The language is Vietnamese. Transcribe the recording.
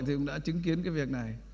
thì cũng đã chứng kiến cái việc này